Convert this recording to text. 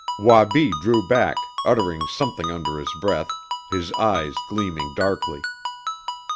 Wabi drew back, uttering something under his breath, his eyes gleaming darkly.